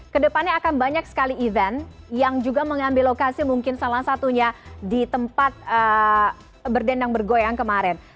kedepannya akan banyak sekali event yang juga mengambil lokasi mungkin salah satunya di tempat berdendang bergoyang kemarin